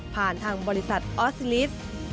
ผ่านทางบริษัทออสลิส